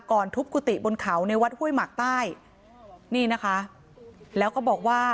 ทุบกุฏิบนเขาในวัดห้วยหมากใต้นี่นะคะแล้วก็บอกว่า